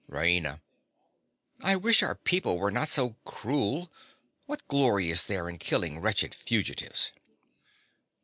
_) RAINA. I wish our people were not so cruel. What glory is there in killing wretched fugitives?